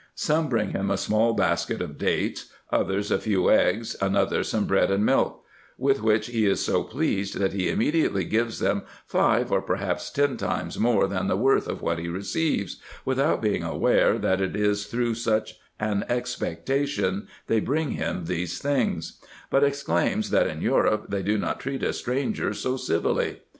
Some bring him a small basket of dates, others a few eggs, another some bread and milk ; with wliich he is so pleased, that he immediately gives them five or perhaps ten times more than the worth of what he receives, without being aware, that it is through such an expectation they bring him these things ; but exclaims, that in Europe they do not treat a stranger so civilly.